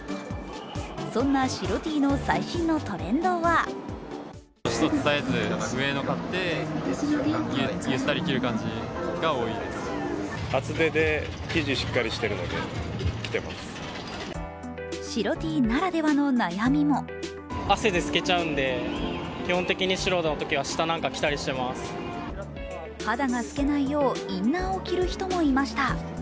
そんな白Ｔの最新のトレンドは白Ｔならではの悩みも肌が透けないようインナーを着る人もいました。